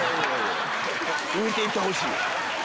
浮いて行ってほしい。